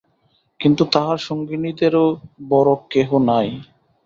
কিন্তু, তাহার সঙ্গিনীদেরও বড়ো কেহ নাই।